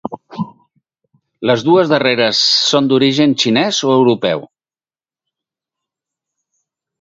Les dues darreres són d'origen xinès o europeu.